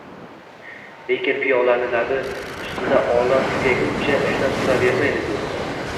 Lekin piyolani labi ustida olam tugaguncha ushlab turavermaydi-ku